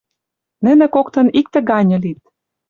Нӹнӹ коктын иктӹ ганьы лит...